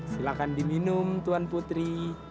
silahkan diminum tuan putri